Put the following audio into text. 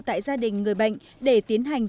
tại gia đình người bệnh để tiến hành